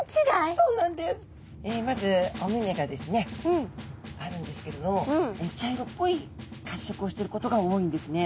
まずお目々があるんですけれど茶色っぽいかっしょくをしてることが多いんですね。